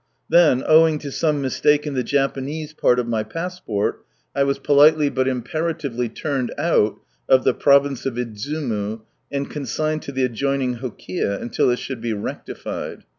Then, owing to some mistake in the Japanese part of ray passport, I was politely but imperatively turned out of the Province of Idzumu, and consigned to the adjoining Hokie, until it should be rectified.